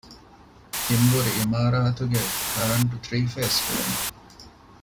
ތިންބުރި އިމާރާތުގެ ކަރަންޓް ތްރީފޭސް ކުރުމަށް